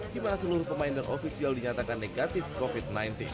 di mana seluruh pemain dan ofisial dinyatakan negatif covid sembilan belas